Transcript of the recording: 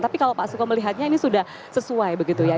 tapi kalau pak suko melihatnya ini sudah sesuai begitu ya